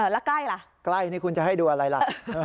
แล้วใกล้ล่ะใกล้นี่คุณจะให้ดูอะไรล่ะ